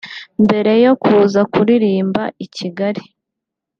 Mbere yo kuza kuririmbira i Kigali